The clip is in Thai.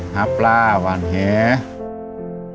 หาปลาหวานแห